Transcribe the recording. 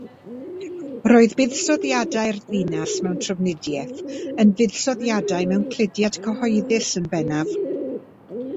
Roedd buddsoddiadau'r ddinas mewn trafnidiaeth yn fuddsoddiadau mewn cludiant cyhoeddus yn bennaf.